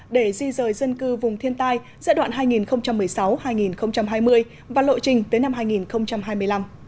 để di rời dân cư vùng thiên tai giai đoạn hai nghìn một mươi sáu hai nghìn hai mươi và lộ trình tới năm hai nghìn hai mươi năm